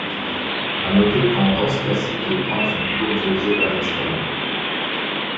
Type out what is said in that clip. À noter qu'en danse classique les pointes sont toujours dirigées vers l'extérieur.